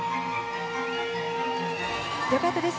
良かったです